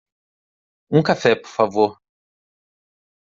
Um cafê por favor.